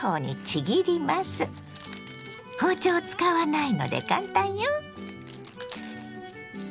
包丁を使わないので簡単よ。